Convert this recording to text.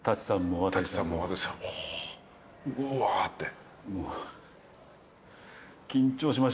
うわって？